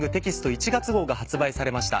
１月号が発売されました。